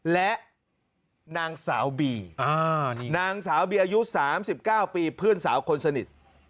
และนางสาวบีนางสาวบีอายุ๓๙ปีเพื่อนสาวคนสนิท